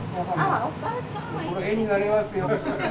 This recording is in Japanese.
・絵になりますよ。